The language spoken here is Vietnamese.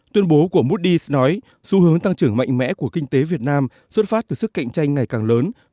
tuyên bố của moody s nói xu hướng tăng trưởng mạnh mẽ của kinh tế việt nam xuất phát từ sức cạnh tranh ngày càng lớn